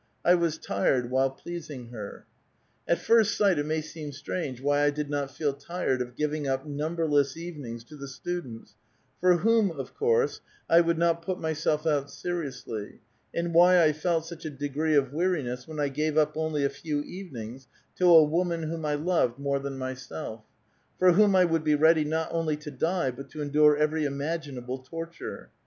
I was tired while pleasing her. ^' At first sio; ht it mav seem strangle whv I did not feel tired of giving up numberless evenings to the stndents, for whom, of course, I would not put myself out seriously, and why 1 felt such a degree of wearin«*S8 when I gave up only a few even intrs to a woman whom I loved more than mvself ; for whom 1 would be ready not only to die, but to endure every imagin able torture.